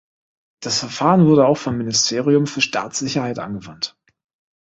Das Verfahren wurde auch vom Ministerium für Staatssicherheit angewandt.